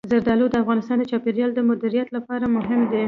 زردالو د افغانستان د چاپیریال د مدیریت لپاره مهم دي.